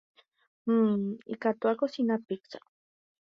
Hmm. Ikatu akosina pizza.